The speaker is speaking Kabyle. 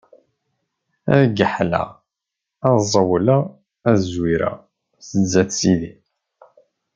Ad geḥleɣ, ad ẓewleɣ ad zwireɣ sdat Sidi.